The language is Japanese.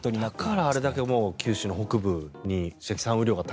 だからこれだけ九州の北部に積算